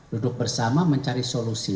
duduk bersama mencari solusi